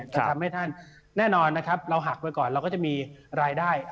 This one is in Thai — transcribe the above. จะทำให้ท่านแน่นอนนะครับเราหักไปก่อนเราก็จะมีรายได้